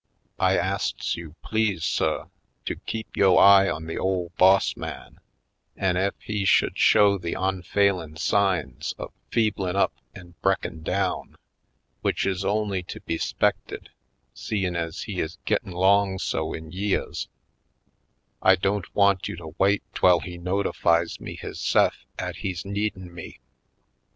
I asts you, please, suh, to keep yo eye on the ole boss man an' ef he sh'd show the onfailin' signs of feeblin' up an' bre'kin' down — ^w'ich is only to be 'spected, seein' ez he is gittin' 'long so in yeahs — I don't want you to wait 'twell he notifies me 260 /. Poindexter^ Colored hisse'f 'at he's needin' me.